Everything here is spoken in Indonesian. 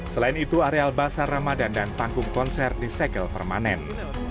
selain itu areal basar ramadan dan panggung konser disegel permanen